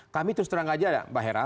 kami terus terangkan aja mbak hera